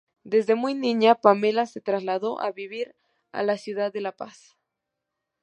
Desde muy niña, Pamela se trasladó a vivir a la ciudad de La Paz.